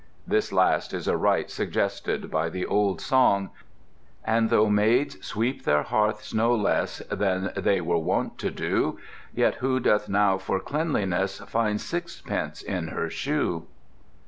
This last is a rite suggested by the old song: And though maids sweep their hearths no less Than they were wont to do, Yet who doth now for cleanliness Find sixpence in her shoe?